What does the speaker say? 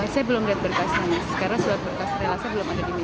saya belum lihat berkasnya karena sudah berkas relasnya belum ada di rumah